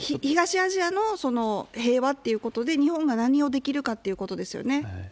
東アジアの平和っていうことで、日本が何をできるかっていうことですよね。